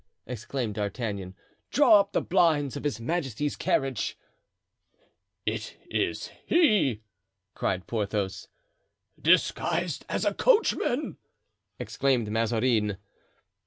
exclaimed D'Artagnan, "draw up the blinds of his majesty's carriage." "It is he!" cried Porthos. "Disguised as a coachman!" exclaimed Mazarin.